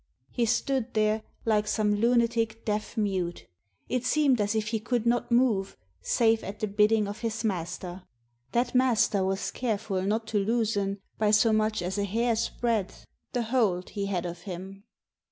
He stood there like some lunatic deaf mute. It seemed as if he could not move, save at the bidding of his master. That master was care ful not to loosen, by so much as a hair's breadth, the hold he had of him.